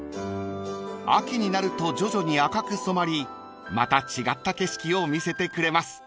［秋になると徐々に赤く染まりまた違った景色を見せてくれます］